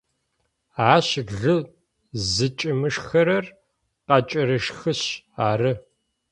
Ащ лы зыкӏимышхырэр къэкӏырышхышъ ары.